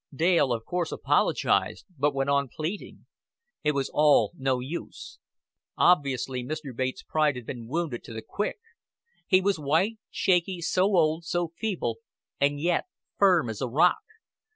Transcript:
Dale of course apologized, but went on pleading. It was all no use. Obviously Mr. Bates' pride had been wounded to the quick. He was white, shaky, so old, so feeble, and yet firm as a rock.